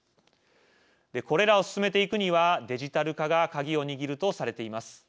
これらを進めていくにはデジタル化が鍵を握るとされています。